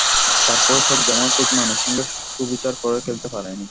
তার পরও শেখ জামাল ঠিক মানের সঙ্গে সুবিচার করে খেলতে পারেনি।